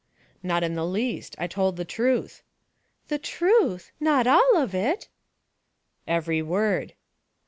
'Not in the least; I told the truth.' 'The truth! Not all of it?' 'Every word.'